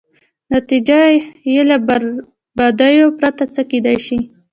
نتېجه یې له بربادیو پرته څه کېدای شي.